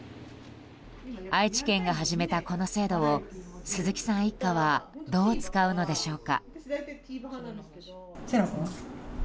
愛知県が始めたこの制度を鈴木さん一家はどう使うのでしょうか。